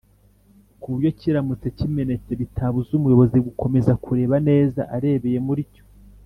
kuburyo kiramutse kimenetse bitabuza umuyobozi gukomeza kureba neza arebeye muricyo